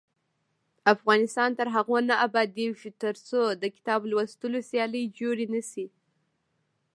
افغانستان تر هغو نه ابادیږي، ترڅو د کتاب لوستلو سیالۍ جوړې نشي.